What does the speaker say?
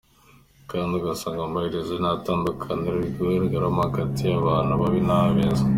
"Kandi usanga amaherezo, nta tandukaniro ribigaragaramo hagati y’abantu babi n’abeza.